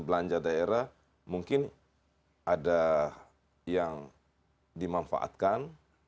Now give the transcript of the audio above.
belanja daerah mungkin ada yang dimanfaatkan